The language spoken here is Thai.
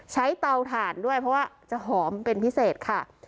เตาถ่านด้วยเพราะว่าจะหอมเป็นพิเศษค่ะ